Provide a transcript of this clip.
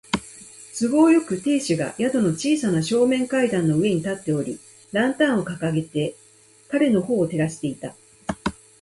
都合よく、亭主が宿の小さな正面階段の上に立っており、ランタンをかかげて彼のほうを照らしていた。